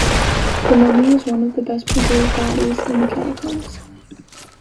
The mummy is one of the best preserved bodies in the catacombs.